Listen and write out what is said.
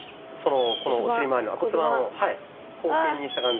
このお尻まわりの骨盤を後傾にした感じ。